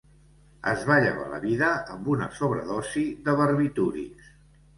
Es va llevar la vida amb una sobredosi de barbitúrics.